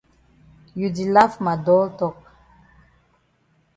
You di laf ma dull tok.